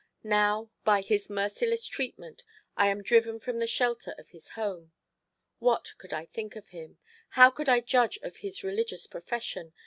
Now, by his merciless treatment, I am driven from the shelter of his home. What could I think of him? How could I judge of his religious profession?